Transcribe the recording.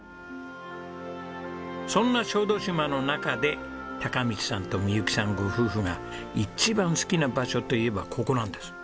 そんな小豆島の中で貴道さんと未佑紀さんご夫婦が一番好きな場所といえばここなんです。